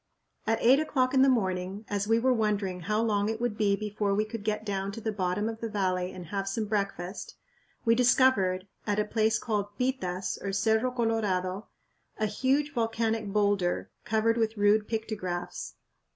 At eight o'clock in the morning, as we were wondering how long it would be before we could get down to the bottom of the valley and have some breakfast, we discovered, at a place called Pitas (or Cerro Colorado), a huge volcanic boulder covered with rude pictographs.